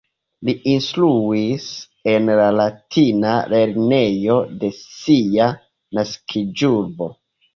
Li instruis en la Latina Lernejo de sia naskiĝurbo.